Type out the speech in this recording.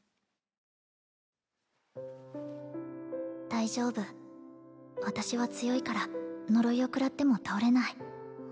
大丈夫私は強いから呪いをくらっても倒れない